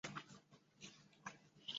山西丙子乡试。